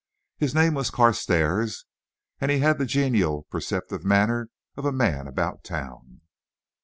His name was Carstairs, and he had the genial, perceptive manner of a man about town.